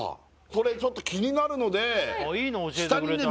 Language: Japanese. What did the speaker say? これちょっと気になるので下にね